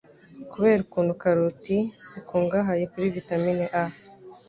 Kubera ukuntu karoti zikungahaye kuri vitamine A